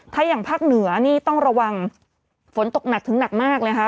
ถ้าอย่างภาคเหนือนี่ต้องระวังฝนตกหนักถึงหนักมากเลยค่ะ